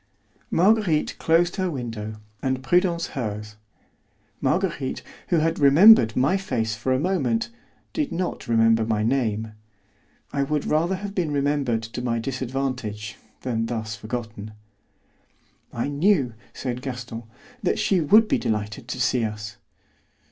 Marguerite closed her window and Prudence hers. Marguerite, who had remembered my face for a moment, did not remember my name. I would rather have been remembered to my disadvantage than thus forgotten. "I knew," said Gaston, "that she would be delighted to see us."